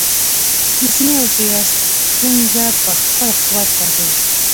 د سني او شیعه ستونزه په خپل قوت پاتې ده.